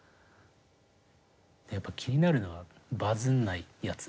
やっぱ気になるのはバズんないやつ。